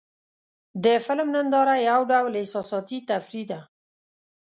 د فلم ننداره یو ډول احساساتي تفریح ده.